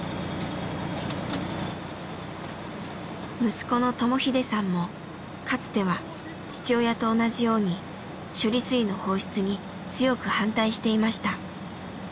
息子の智英さんもかつては父親と同じように処理水の放出に強く反対していました。